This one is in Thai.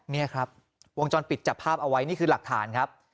นี่ครับวงจรปิดจับภาพเอาไว้นี่คือหลักฐานครับ